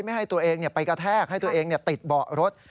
ไม่ให้ตัวเองไปกระแทกให้ตัวเองติดเบาะรถ